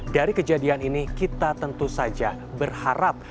dari kejadian ini kita tentu saja berharap